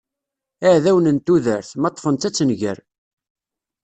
Iɛdawen n tudert, ma ṭṭfen-tt ad tenger.